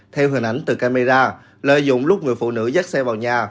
theo hình ảnh từ camera lợi dụng lúc người phụ nữ dét xe vào nhà